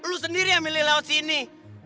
lo sendiri yang milih lewat sini